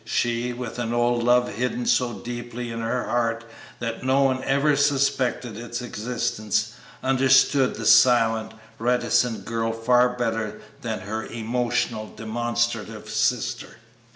She, with an old love hidden so deeply in her heart that no one even suspected its existence, understood the silent, reticent girl far better than her emotional, demonstrative sister.